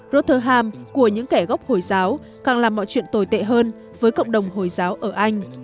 rotter ham của những kẻ gốc hồi giáo càng làm mọi chuyện tồi tệ hơn với cộng đồng hồi giáo ở anh